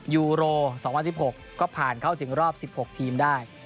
ยูโร๒๐๑๖ก็ผ่านเข้าถึงรอบ๑๖ทีมได้